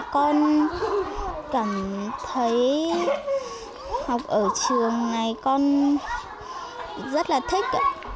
con cảm thấy học ở trường này con rất là thích